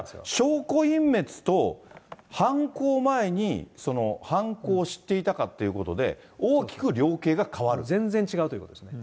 証拠隠滅と、犯行前に犯行を知っていたかということで、全然違うということですね。